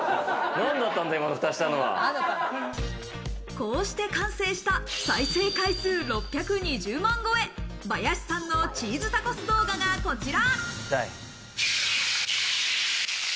こうして完成した再生回数６２０万超え、バヤシさんのチーズタコス動画がこちら。